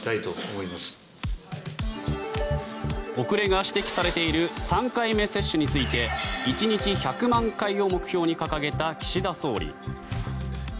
遅れが指摘されている３回目接種について１日１００万回を目標に掲げた岸田総理。